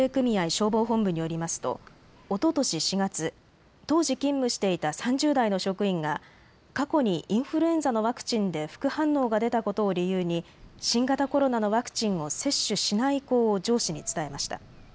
消防本部によりますとおととし４月、当時勤務していた３０代の職員が過去にインフルエンザのワクチンで副反応が出たことを理由に新型コロナのワクチンを接種しない意向を上司に伝えました。